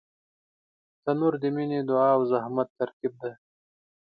تنور د مینې، دعا او زحمت ترکیب دی